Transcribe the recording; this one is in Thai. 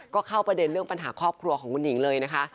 ก็เข้าประเด็นเรื่องปัญหาครอบครัวของคุณหญิงเลยนะคะ